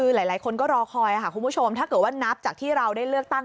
หลายคนก็รอคอยค่ะคุณผู้ชมถ้าเกิดว่านับจากที่เราได้เลือกตั้ง